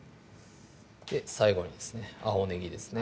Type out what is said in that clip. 最後にですね青ねぎですね